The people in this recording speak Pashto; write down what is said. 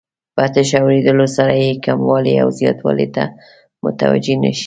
په تش اوریدلو سره یې کموالي او زیاتوالي ته متوجه نه شي.